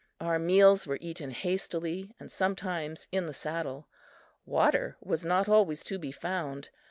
Our meals were eaten hastily, and sometimes in the saddle. Water was not always to be found.